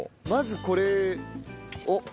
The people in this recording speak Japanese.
まずこれを？